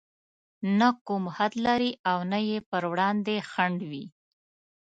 نه کوم حد لري او نه يې پر وړاندې خنډ وي.